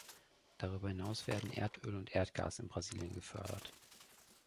Darüber hinaus werden Erdöl und Erdgas in Brasilien gefördert.